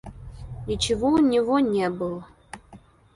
Ничего у него не было.